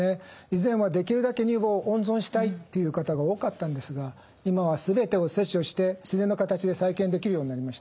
以前はできるだけ乳房を温存したいっていう方が多かったんですが今は全てを切除して自然な形で再建できるようになりました。